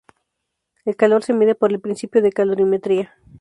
El calor se mide por el principio de calorimetría.